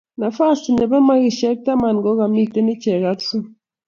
Nafasta ne bo makishe taman ko kimetien icheek ak Zoo.